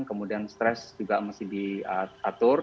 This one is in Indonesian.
kemudian stres juga mesti diatur